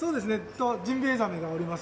あとジンベエザメがおりますので。